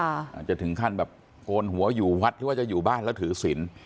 อาจจะถึงขั้นโกนหัวอยู่วัดว่าจะอยู่บ้านแล้วถือสิน